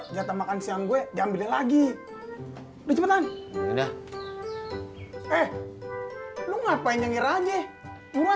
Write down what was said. udah makan siang gue gambarnya lagi udah cepetan udah eh lu ngapain nyengir aja